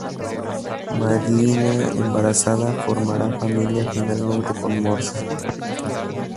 Marilina, embarazada, formará familia finalmente con Morsa.